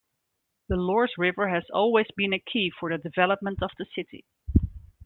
The Lorze River has always been a key for the development of the city.